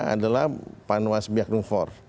adalah panwas biaknumfor